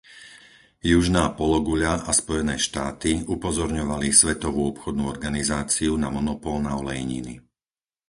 Južná pologuľa a Spojené štáty upozorňovali Svetovú obchodnú organizáciu na monopol na olejniny.